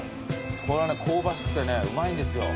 これはね香ばしくてねうまいんですよ。